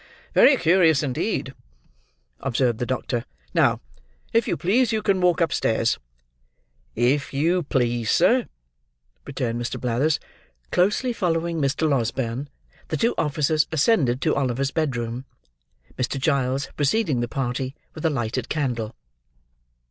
"Very curious, indeed," observed the doctor. "Now, if you please, you can walk upstairs." "If you please, sir," returned Mr. Blathers. Closely following Mr. Losberne, the two officers ascended to Oliver's bedroom; Mr. Giles preceding the party, with a lighted candle.